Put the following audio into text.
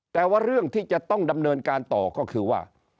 แต่ว่าเรื่องที่จะต้องดำเนินการต่อก็คือว่า